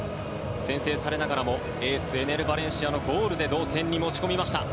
先制されながらもエースエネル・バレンシアのゴールで同点に持ち込みました。